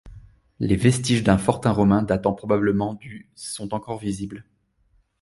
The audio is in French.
Les vestiges d'un fortin romain datant probablement du sont encore visibles.